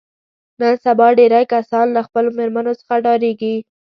نن سبا ډېری کسان له خپلو مېرمنو څخه ډارېږي.